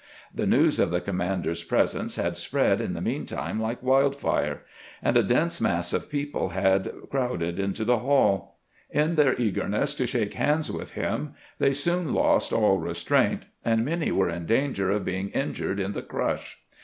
The news of the commander's presence had spread in the mean time like wild fire, and a dense mass of people had crowded into the haU. In their eagerness to shake hands with him, they soon lost all restraint, and many were in danger of being injured in the crush.